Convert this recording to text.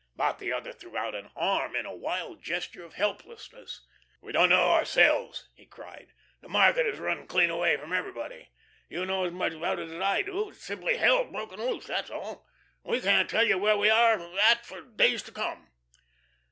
But the other threw out an arm in a wild gesture of helplessness. "We don't know, ourselves," he cried. "The market has run clean away from everybody. You know as much about it as I do. It's simply hell broken loose, that's all. We can't tell where we are at for days to come."